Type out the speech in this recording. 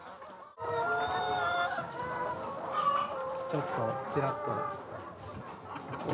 ちょっとちらっと。